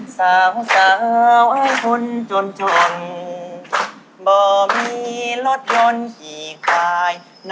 ภาษาแห่งหายฟาหี้เดา